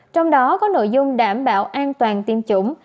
trong đó có nội dung đảm bảo an toàn tiêm chủng